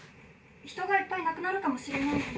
人がいっぱい亡くなるかもしれないのに。